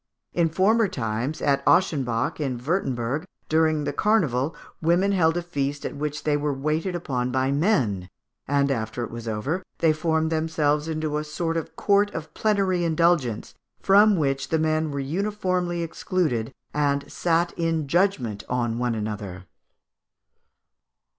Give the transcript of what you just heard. In former times, at Ochsenbach, in Wurtemberg, during the carnival, women held a feast at which they were waited upon by men, and, after it was over, they formed themselves into a sort of court of plenary indulgence, from which the men were uniformly excluded, and sat in judgment on one another.